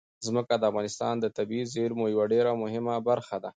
ځمکه د افغانستان د طبیعي زیرمو یوه ډېره مهمه برخه ده.